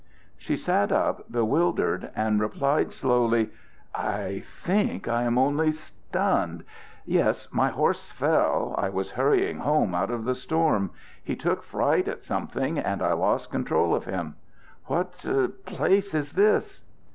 She sat up bewildered, and replied slowly: "I think I am only stunned. Yes, my horse fell. I was hurrying home out of the storm. He took fright at something and I lost control of him. What place is this?"